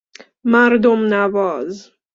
مردم نواز